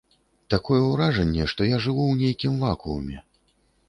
Такое ўражанне, што я жыву ў нейкім вакууме.